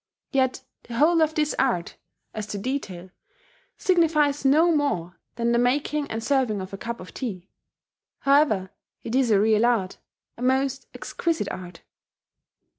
Yet the whole of this art, as to detail, signifies no more than the making and serving of a cup of tea. However, it is a real art a most exquisite art.